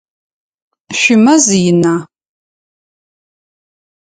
Шъуимэз ина?